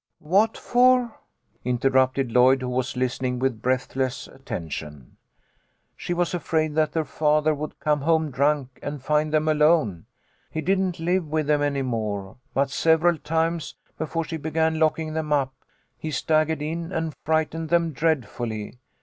" What for ?" interrupted Lloyd, who was listening with breathless attention. " She was afraid that their father would come home MOLLY'S STORY. 83 drunk and find them alone. He didn't live with them any more, but several times, before she began locking them up, he staggered in, and frightened them dreadfully.